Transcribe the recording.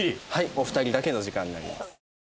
お二人だけの時間になります。